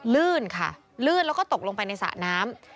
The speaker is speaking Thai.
ลื่นค่ะลื่นแล้วก็ตกลงไปในสระน้ำ